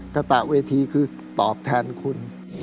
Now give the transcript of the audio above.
กระตะเวทีคือตอบแทนคุณ